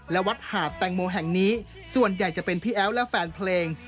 และวัดหาดแตงโมแห่งนี้ส่วนใหญ่จะเป็นพี่แอ๊วและแฟนเพลง